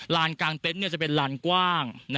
ลานกลางเต็นต์เนี่ยจะเป็นลานกว้าง